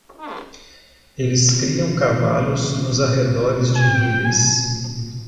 Eles criam cavalos nos arredores de Ribes.